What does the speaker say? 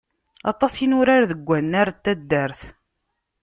Aṭas i nurar deg wannar n taddart.